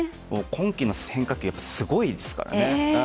今季の変化球はすごいですからね。